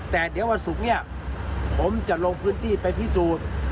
แต่เดี๋ยววันศุกร์เนี่ยผมจะลงพื้นที่ไปพิสูจน์